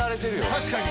確かに。